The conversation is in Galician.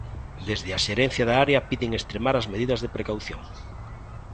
Desde a xerencia da área piden extremar as medidas de precaución.